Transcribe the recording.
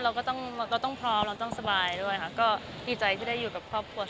เราก็ต้องพร้อมเราต้องสบายด้วยค่ะก็ดีใจที่ได้อยู่กับครอบครัว